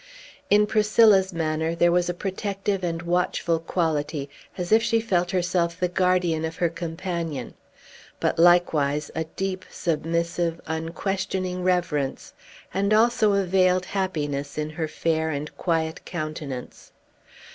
In Priscilla's manner there was a protective and watchful quality, as if she felt herself the guardian of her companion; but, likewise, a deep, submissive, unquestioning reverence, and also a veiled happiness in her fair and quiet countenance.